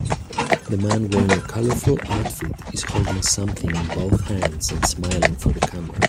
The man wearing a colorful outfit is holding something in both hands and smiling for the camera.